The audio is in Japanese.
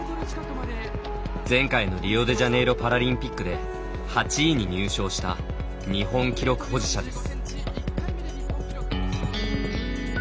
前回のリオデジャネイロパラリンピックで８位に入賞した日本記録保持者です。